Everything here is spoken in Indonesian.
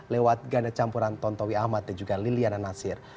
lewat ganda campuran tontowi ahmad dan juga liliana nasir